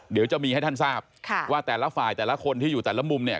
เดี๋ยวจะมีให้ท่านทราบค่ะว่าแต่ละฝ่ายแต่ละคนที่อยู่แต่ละมุมเนี่ย